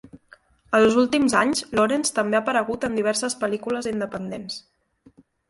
Els últims anys, Lawrence també ha aparegut en diverses pel·lícules independents.